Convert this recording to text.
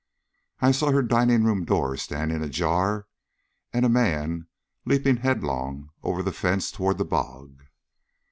"I saw her dining room door standing ajar and a man leaping headlong over the fence toward the bog."